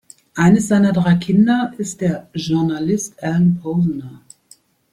Eines seiner drei Kinder ist der Journalist Alan Posener.